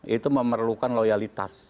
itu memerlukan loyalitas